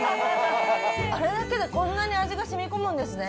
あれだけでこんなに味がしみこむんですね。